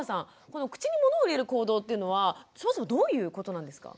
この口にモノを入れる行動というのはそもそもどういうことなんですか？